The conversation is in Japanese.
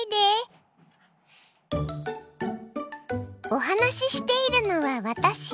お話ししているのは私。